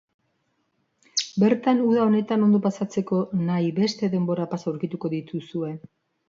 Bertan, uda honetan, ondo pasatzeko nahi beste denbora-pasa aurkituko dituzue.